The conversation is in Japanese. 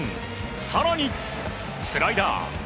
更にスライダー。